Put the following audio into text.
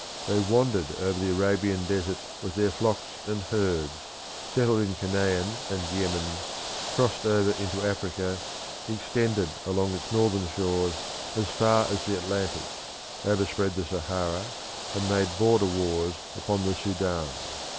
They wandered over the Arabian desert with their flocks and herds, settled in Canaan and Yemen, crossed over into Africa, extended along its northern shores as far as the Atlantic, overspread the Sahara, and made border wars upon the Sudan.